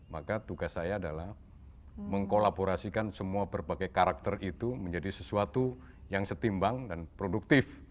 maka tugas saya adalah mengkolaborasikan semua berbagai karakter itu menjadi sesuatu yang setimbang dan produktif